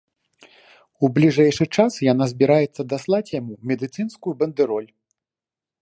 У бліжэйшы час яна збіраецца даслаць яму медыцынскую бандэроль.